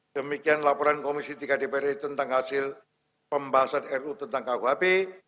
demikian laporan komisi tiga dpr ri tentang hasil pembahasan ru tentang kuhp